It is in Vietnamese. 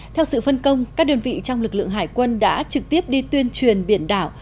theo sự phân công các đơn vị trong lực lượng hải quân đã trực tiếp đi tuyên truyền biển đảo